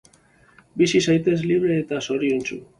Bizi zaitez libre eta zoriontsu